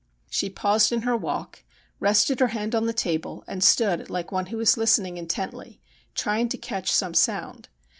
She paused in her walk, rested her hand on the table, and stood like one who was listening intently, trying to catch some sound.